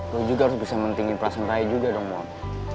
lo juga harus bisa mentingin perasaan raya juga dong mon